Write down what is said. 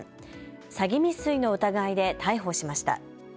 詐欺未遂の疑いで逮捕しました。